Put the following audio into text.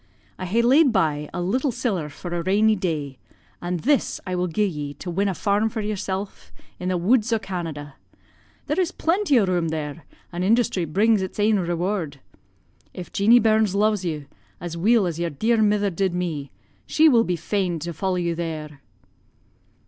I ha'e laid by a little siller for a rainy day, an' this I will gi'e ye to win a farm for yersel' in the woods o' Canada. There is plenty o' room there, an' industry brings its ain reward. If Jeanie Burns lo'es you, as weel as yer dear mither did me, she will be fain to follow you there.'